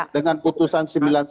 dengan putusan sembilan puluh sembilan